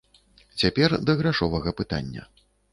Цяпер да грашовага пытання.